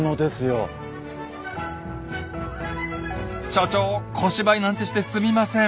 所長小芝居なんてしてすみません。